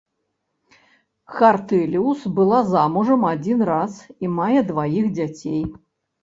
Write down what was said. Хартэліус была замужам адзін раз і мае дваіх дзяцей.